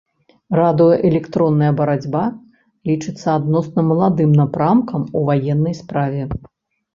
Радыёэлектронная барацьба лічыцца адносна маладым напрамкам у ваеннай справе.